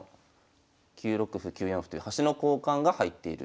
９六歩９四歩という端の交換が入っている。